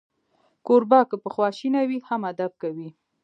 کوربه که په خواشینۍ وي، هم ادب کوي.